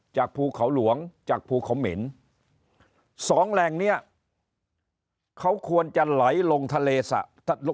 ภูเขาหลวงจากภูเขาเหม็นสองแหล่งเนี้ยเขาควรจะไหลลงทะเลสะ